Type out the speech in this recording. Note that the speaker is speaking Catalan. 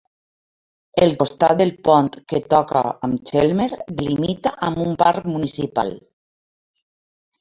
El costat del pont que toca amb Chelmer delimita amb un parc municipal.